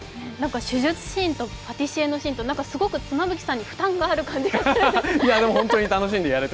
手術シーンとパティシエのシーンと、すごく妻夫木さんに負担がある感じがして。